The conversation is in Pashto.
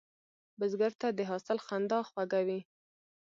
بزګر ته د حاصل خندا خوږه وي